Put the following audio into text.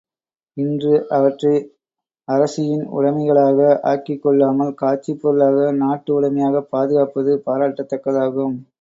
இன்று அவற்றை அரசியின் உடைமைகளாக ஆக்கிக்கொள்ளாமல் காட்சிப் பொருளாக நாட்டு உடைமையாகப் பாதுகாப்பது பாராட்டத் தக்கதாகும்.